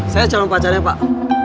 saya calon pacarnya pak